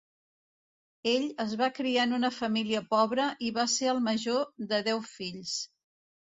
Ell es va criar en una família pobra i va ser el major de deu fills.